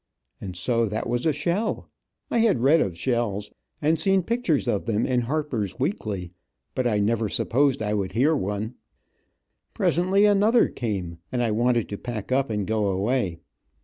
And so that was a shell. I had read of shells and seen pictures of them in Harper's Weekly, but I never supposed I would hear one. Presently another came, and I wanted to pack up and go away.